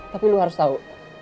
tapi lo harus tahu